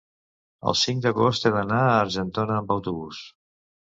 el cinc d'agost he d'anar a Argentona amb autobús.